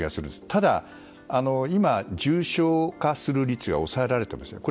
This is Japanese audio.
ただ、今、重症化する率は抑えられていますよね。